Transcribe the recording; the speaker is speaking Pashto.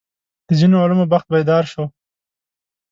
د ځینو علومو بخت بیدار شو.